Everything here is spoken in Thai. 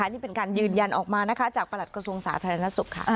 นี่เป็นการยืนยันออกมานะคะจากประหลัดกระทรวงสาธารณสุขค่ะ